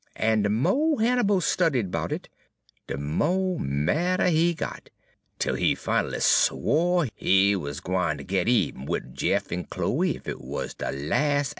En de mo' Hannibal studied 'bout it de mo' madder he got, 'tel he fin'lly swo' he wuz gwine ter git eben wid Jeff en Chloe, ef it wuz de las' ac'.